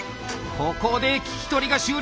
ここで聞き取りが終了。